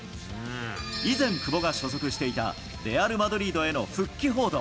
以前、久保が所属していたレアル・マドリードへの復帰報道。